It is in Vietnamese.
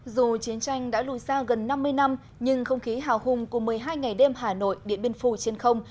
dù chiến tranh đã lùi xa gần năm mươi năm nhưng không khí hào hùng của một mươi hai ngày đêm hà nội điện biên phủ trên không